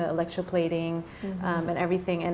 elektroplating dan segala galanya